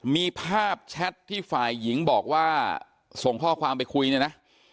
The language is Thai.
มีภาพแชทที่ฝ่ายหญิงบอกว่าส่งข้อความไปคุยเนี่ยนะ